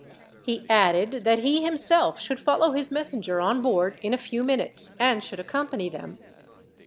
He added that he, himself, should follow his messenger on board in a few minutes, and should accompany them.